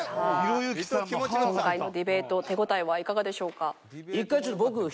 さあ今回のディベート手応えはいかがでしょうか？